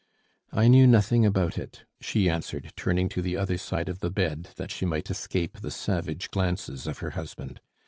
"I knew nothing about it," she answered, turning to the other side of the bed, that she might escape the savage glances of her husband.